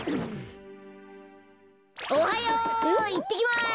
おはよう！いってきます。